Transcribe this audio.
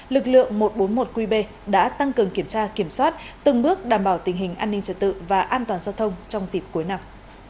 lực lượng một trăm bốn mươi một qb đã tăng cường kiểm tra kiểm soát từng bước đảm bảo tình hình an ninh trật tự và an toàn giao thông trong dịp cuối năm